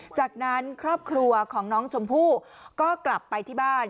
จากนั้นครอบครัวของน้องชมพู่ก็กลับไปที่บ้าน